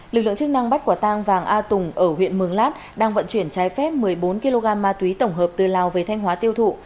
lực lượng chức năng bắt quả tang vàng a tùng ở huyện mường lát đang vận chuyển trái phép một mươi bốn kg ma túy tổng hợp từ lào về thanh hóa tiêu thụ